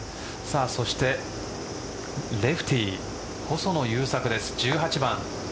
そしてレフティー、細野勇策です１８番。